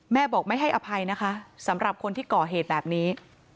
แม่บอกไม่ให้อภัยนะคะสำหรับคนที่ก่อเหตุแบบนี้